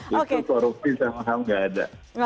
itu korupsi sama hal nggak ada